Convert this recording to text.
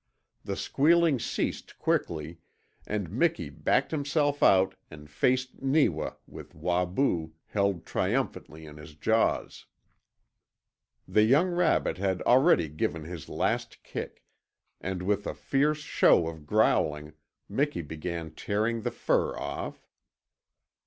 The squealing ceased quickly and Miki backed himself out and faced Neewa with Wahboo held triumphantly in his jaws. The young rabbit had already given his last kick, and with a fierce show of growling Miki began tearing the fur off.